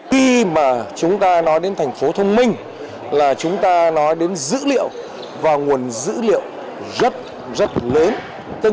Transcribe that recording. khi mà chúng ta nói đến thành phố thông minh là chúng ta nói đến dữ liệu và nguồn dữ liệu rất rất lớn